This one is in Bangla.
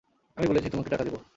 আমি বলেছি তোমাকে টাকা দেব।